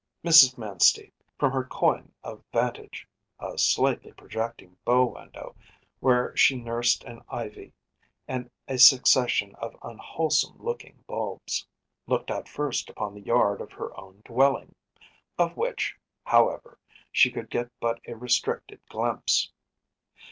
Mrs. Manstey, from her coign of vantage (a slightly projecting bow window where she nursed an ivy and a succession of unwholesome looking bulbs), looked out first upon the yard of her own dwelling, of which, however, she could get but a restricted glimpse.